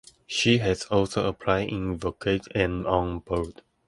She has also appeared in "Vogue" magazine and on billboards.